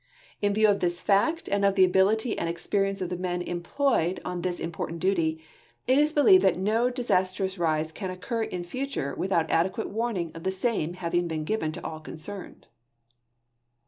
In view of this fact and of the ability and experience of the men employed on this im ]>ortanty duty, it is believed that no disastrous rise can occur in the future without adequate warning of the same having been given to all concerned.